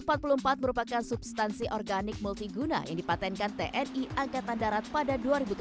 bios empat puluh empat merupakan substansi organik multiguna yang dipatenkan tni angkatan darat pada dua ribu tujuh belas